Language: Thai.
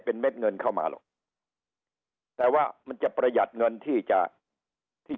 เป็นเม็ดเงินเข้ามาหรอกแต่ว่ามันจะประหยัดเงินที่จะที่